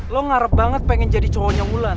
lu ngarep banget pengen jadi cowok nyungulan